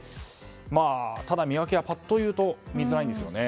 ただ見分けはパッというと見づらいですよね。